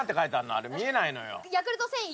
あれ見えないのよ。